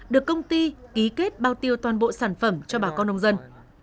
được công ty ký kết bao tiêu toàn bộ sản phẩm cho bà con nông dân